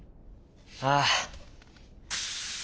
「ああ」。